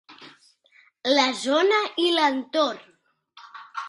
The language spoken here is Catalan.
La zona i l'entorn.